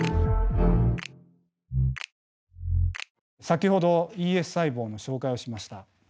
先ほどＥＳ細胞の紹介をしました。